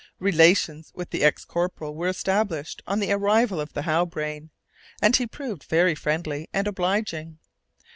Relations with the ex corporal were established on the arrival of the Halbrane, and he proved very friendly and obliging.